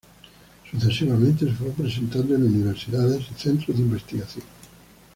Sucesivamente se fue presentando en universidades y centros de investigación.